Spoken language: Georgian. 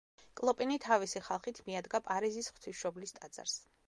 კლოპინი თავისი ხალხით მიადგა პარიზის ღვთისმშობლის ტაძარს.